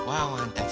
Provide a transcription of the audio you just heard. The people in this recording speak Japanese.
たち